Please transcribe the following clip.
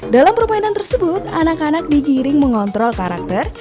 dalam permainan tersebut anak anak digiring mengontrol karakter